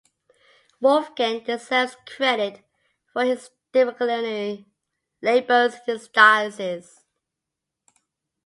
Wolfgang deserves credit for his disciplinary labours in his diocese.